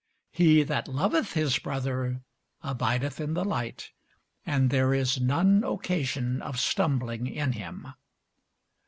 He that loveth his brother abideth in the light, and there is none occasion of stumbling in him.